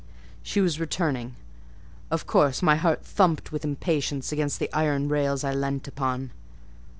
She was returning: of course my heart thumped with impatience against the iron rails I leant upon.